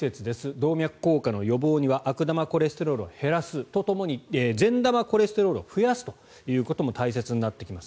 動脈硬化の予防には悪玉コレステロールを減らすとともに善玉コレステロールを増やすということも大切になってきます。